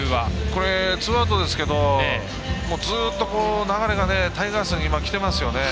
これツーアウトですけどずっと流れがタイガースにきてますよね。